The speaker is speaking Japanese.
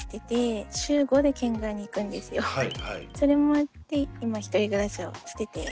それもあって今１人暮らしをしてて。